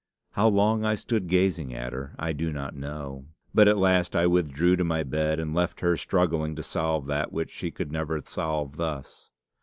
How long I stood gazing at her I do not know, but at last I withdrew to my bed, and left her struggling to solve that which she could never solve thus.